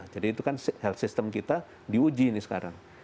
jadi itu kan health system kita diuji ini sekarang